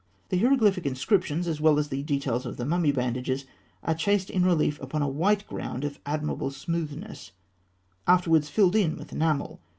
The hieroglyphic inscriptions as well as the details of the mummy bandages are chased in relief upon a white ground of admirable smoothness afterwards filled in with enamel.